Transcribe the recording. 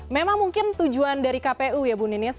memang mungkin tujuan dari kpu ya bu ninis